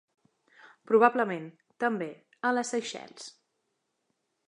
Probablement, també, a les Seychelles.